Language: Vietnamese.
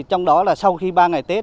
trong đó là sau khi ba ngày tết